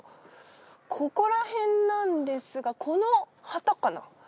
ここらへんなんですがこの旗かな？